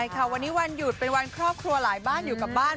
ใช่ค่ะวันนี้วันหยุดเป็นวันครอบครัวหลายบ้านอยู่กับบ้าน